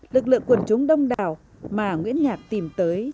lực lượng quần chúng đông đảo mà nguyễn nhạc tìm tới